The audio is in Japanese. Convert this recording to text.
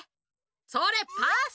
それっパス！